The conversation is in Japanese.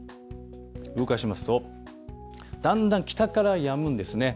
動かしますと、だんだん北からやむんですね。